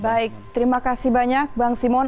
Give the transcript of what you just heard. baik terima kasih banyak bang simon